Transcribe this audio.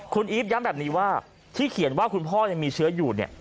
คุณอีฟย้ำแบบนี้ว่าที่เขียนว่าคุณพ่อยังมีเชื้ออยู่เนี่ย